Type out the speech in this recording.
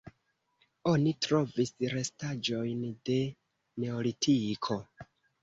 Oni trovis restaĵojn de neolitiko.